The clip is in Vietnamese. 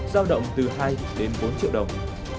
giao động từ hai đến bốn triệu đồng